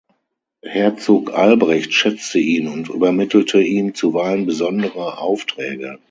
Herzog Albrecht schätzte ihn und übermittelte ihm zuweilen besondere Aufträge.